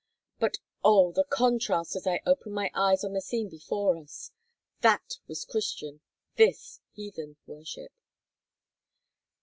But oh, the contrast as I opened my eyes on the scene before us! That was Christian—this heathen worship!